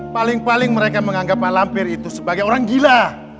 paling paling mereka menganggap malampir itu sebagai orang gila